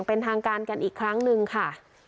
เป็นทางการกันอีกครั้งหนึ่งค่ะ